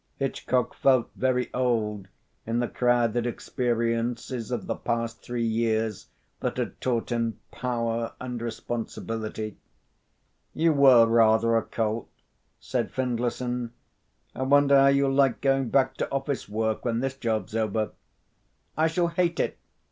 Hitchcock felt very old in the crowded experiences of the past three years, that had taught him power and responsibility. "You were rather a colt," said Findlayson. "I wonder how you'll like going back to office work when this job's over." "I shall hate it!"